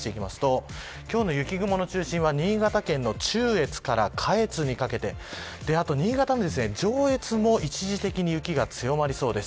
今日の雪雲の中心は新潟県の中越から下越にかけて新潟の上越も一時的に雪が強まりそうです。